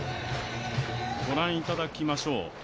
御覧いただきましょう。